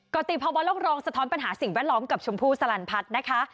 กรติภาวะโลกรองสะท้อนปัญหาสิ่งแวดล้อมกับชมพู่สลันพัฒน์นะคะ